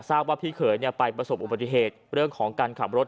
ทราบว่าพี่เขยไปประสบอุบัติเหตุเรื่องของการขับรถ